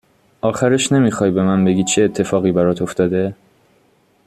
آخرش نمیخوای به من بگی چه اتفاقی برات افتاده ؟